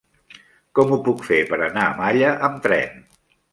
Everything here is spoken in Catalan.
Com ho puc fer per anar a Malla amb tren?